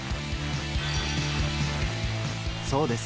そうです。